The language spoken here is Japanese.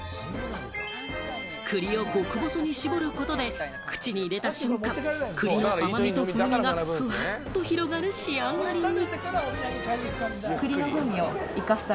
栗を極細に絞ることで、口に入れた瞬間、栗の甘みと風味がふわっと広がる仕上がりに。